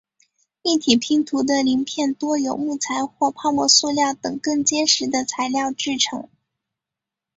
立体拼图的零片多由木材或泡沫塑料等更坚实的材料制成。